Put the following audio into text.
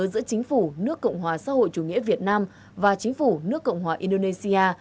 giữa chính phủ nước cộng hòa xã hội chủ nghĩa việt nam và chính phủ nước cộng hòa indonesia